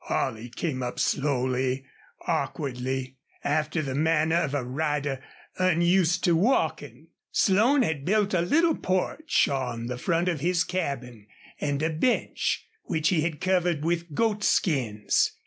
Holley came up slowly, awkwardly, after the manner of a rider unused to walking. Slone had built a little porch on the front of his cabin and a bench, which he had covered with goatskins.